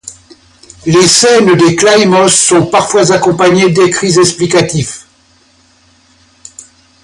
Les scènes des kleimos sont parfois accompagnées d'écrits explicatifs.